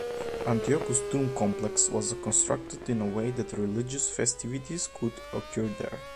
Antiochus' tomb complex was constructed in a way that religious festivities could occur there.